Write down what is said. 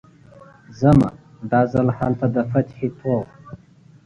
ځمه، دا ځل هلته د فتحې توغ